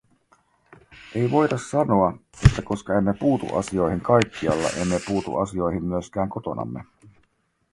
Ei voida sanoa, että koska emme puutu asioihin kaikkialla, emme puutu asioihin myöskään kotonamme.